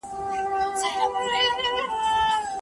پر پردیو ما ماتم نه دی لیدلی